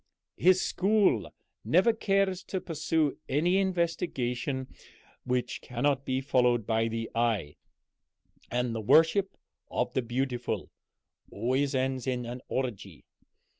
His school never care to pursue any investigation which cannot be followed by the eye and the worship of the beautiful always ends in an orgy.